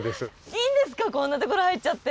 いいんですかこんなところ入っちゃって。